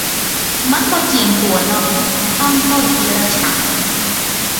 มันบ่เจียมตัวน้อย ต่ำต้อยเดียรฉาน